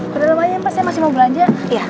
ke dalam aja pas saya masih mau belanja